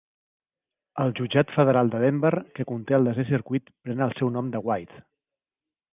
El jutjat federal de Denver que conté el desè circuit pren el seu nom de White.